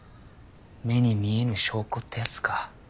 目に見えぬ証拠ってやつか。